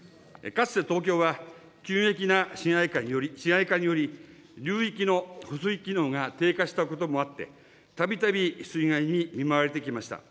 かつて東京は急激な市街化により、流域の保水機能が低下したこともあって、たびたび水害に見舞われてきました。